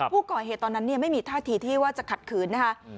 ผู้ก่อเหตุตอนนั้นไม่มีท่าที่ว่าจะขัดขืน